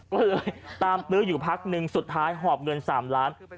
ก็เลยตามตื้ออยู่พักนึงสุดท้ายหอบเงิน๓ล้าน